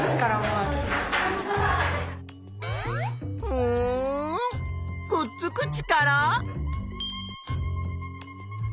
うんくっつく力？